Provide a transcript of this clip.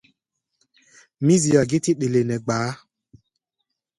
Mí zia gítí ɗele nɛ gbaá.